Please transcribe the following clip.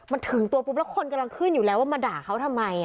มันถึงตัวปุ๊บแล้วคนกำลังขึ้นอยู่แล้วว่ามาด่าเขาทำไม